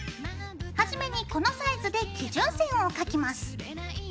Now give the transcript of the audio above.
初めにこのサイズで基準線を描きます。